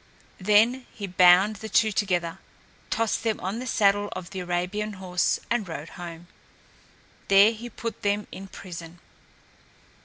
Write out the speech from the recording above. Then he bound the two together, tossed them on the saddle of the Arabian horse and rode home. There he put them in prison.